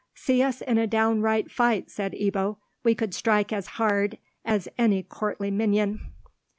"See us in a downright fight," said Ebbo; "we could strike as hard as any courtly minion."